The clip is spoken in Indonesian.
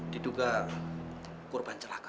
diduga korban celaka